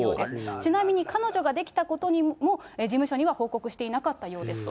ちなみに、彼女が出来たことも事務所には報告していなかったようですと。